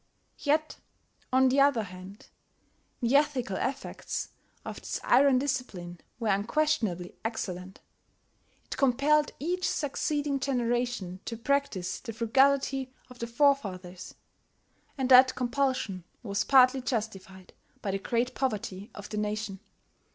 Yet, on the other hand, the ethical effects of this iron discipline were unquestionably excellent. It compelled each succeeding generation to practise the frugality of the forefathers; and that compulsion was partly justified by the great poverty of the nation.